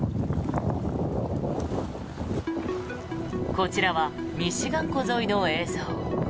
こちらはミシガン湖沿いの映像。